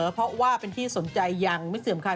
เพราะว่าเป็นที่สนใจยังไม่เสื่อมใคร